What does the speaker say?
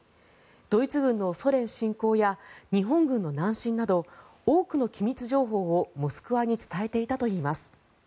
ドイツ軍のソ連侵攻や日本軍の南進など多くの機密情報をモスクワに伝えていたといいます。